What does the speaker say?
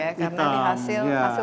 karena ini hasil fermentasi